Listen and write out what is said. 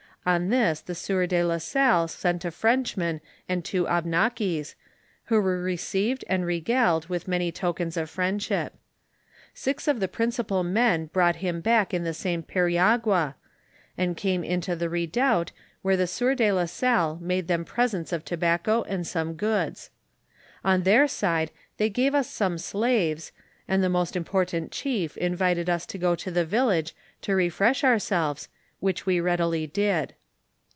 On this the sieur de la Salle sent a Frenchman and two Abnakis, who were received and regaled with many tokens of friendship. Six of the principal men brought him back in the same periagua, and came into the redoubt where the sieur de la Salle made them presents of tobacco and some goods. On their side they gave us some slaves, and the most important chief invited us to go to the village to refresh ourselves, which we readily did.